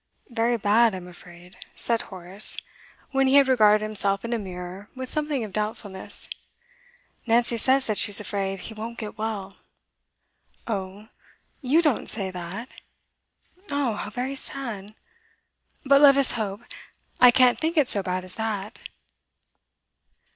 'Very bad, I'm afraid,' said Horace, when he had regarded himself in a mirror with something of doubtfulness. 'Nancy says that she's afraid he won't get well.' 'Oh, you don't say that! Oh, how very sad! But let us hope. I can't think it's so bad as that.